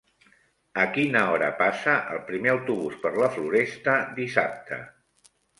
A quina hora passa el primer autobús per la Floresta dissabte?